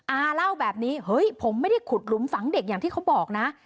อาเล่าแบบนี้เฮ้ยผมไม่ได้ขุดหลุมฝังเด็กอย่างที่เขาบอกนะ